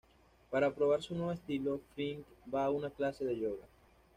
Para probar su nuevo estilo, Frink va a una clase de yoga.